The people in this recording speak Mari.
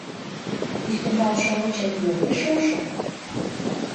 Ӱстембал шовычет мо пеш ошо